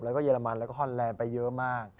แล้วก็เยอรมันแล้วก็ฮอนแลนด์ไปเยอะมาก